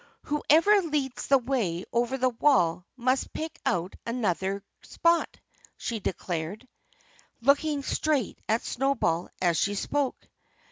"Whoever leads the way over the wall must pick out another spot," she declared, looking straight at Snowball as she spoke.